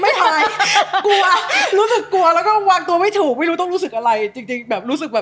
พายกลัวรู้สึกกลัวแล้วก็วางตัวไม่ถูกไม่รู้ต้องรู้สึกอะไรจริงจริงแบบรู้สึกแบบ